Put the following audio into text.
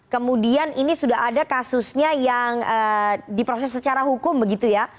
kemudian ini sudah ada kasusnya yang diproses secara hukum begitu ya